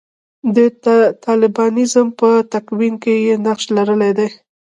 د طالبانیزم په تکوین کې یې نقش لرلی دی.